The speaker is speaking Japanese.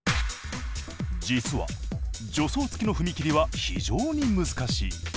実は助走付きの踏み切りは非常に難しい。